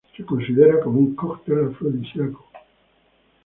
Se considera como un cóctel afrodisíaco.